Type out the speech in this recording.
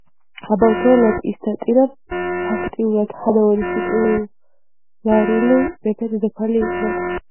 ამავდროულად, ის და ტირა, ფაქტიურად ჰანოვერის ტიტულარული მეფე-დედოფალი იყვნენ.